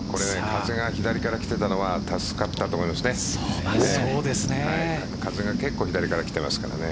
風が左から来てたのは助かったと思いますね。